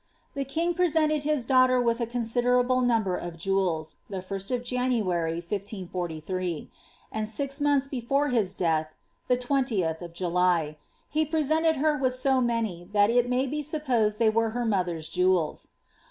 The king presented his daughter with t considerable number of jewels, the Ist of January, 1543; and fix months before his death (the 2i)th of July) he presented her with p^ many, that it may be supposed tliey were her mother'* jewels.